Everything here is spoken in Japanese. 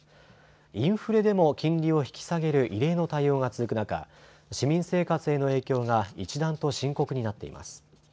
インフレでも金利を引き下げる異例の対応が続く中、市民生活への影響が一段と深刻になっています。